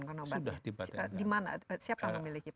dimana siapa yang memiliki patent